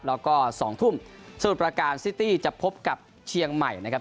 แล้วก็๒ทุ่มสมุทรประการซิตี้จะพบกับเชียงใหม่นะครับ